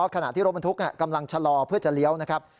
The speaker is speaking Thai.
ขณะที่รถบรรทุกกำลังชะลอเพื่อจะเลี้ยวนะครับ